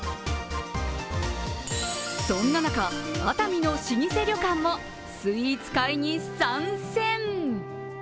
そんな中、熱海の老舗旅館もスイーツ界に参戦。